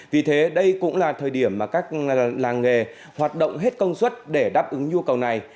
vì thế đây cũng là thời điểm mà các làng nghề hoạt động hết công suất để đáp ứng nhu cầu này